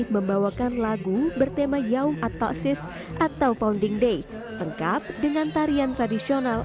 membawakan lagu bertema yaum at tausis atau founding day lengkap dengan tarian tradisional